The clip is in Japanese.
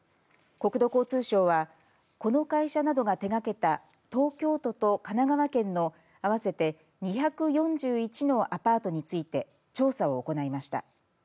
国土交通省はこの会社などが手がけた東京都と神奈川県の合わせて２４１のアパートについて調査を行いました。